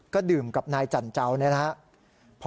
ก็ดื่มกับนายจันเจ้าเนี่ยนะครับ